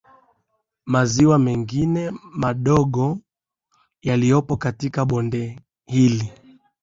Maziwa mengine madogo yaliyopo katika bonde hili